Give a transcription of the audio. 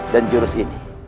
dan jurus ini